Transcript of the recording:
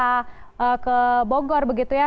kemudian dia kebongkor begitu ya